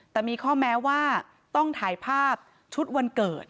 แต่มีข้อแม้ว่าต้องถ่ายภาพชุดวันเกิด